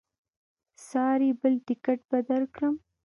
ساري بل ټکټ به درکړم.